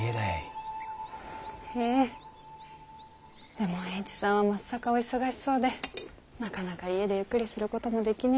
でも栄一さんはまっさかお忙しそうでなかなか家でゆっくりすることもできねぇんです。